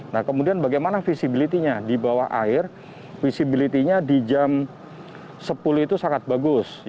nah kemudian bagaimana visibilitinya di bawah air visibilitinya di jam sepuluh itu sangat bagus